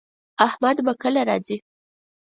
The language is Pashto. احمد به کله راځي